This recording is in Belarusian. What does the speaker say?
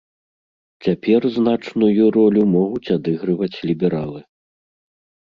Цяпер значную ролю могуць адыгрываць лібералы.